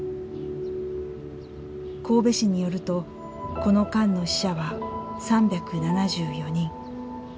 神戸市によるとこの間の死者は３７４人。